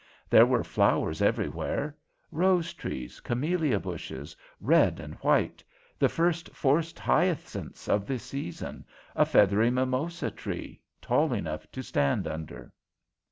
There were flowers everywhere: rose trees; camellia bushes, red and white; the first forced hyacinths of the season; a feathery mimosa tree, tall enough to stand under.